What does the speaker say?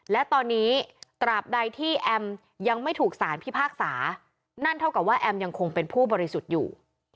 และตอนนี้ตราบใดที่แอมยังไม่ถูกสารพิพากษานั่นเท่ากับว่าแอมยังคงเป็นผู้บริสุทธิ์อยู่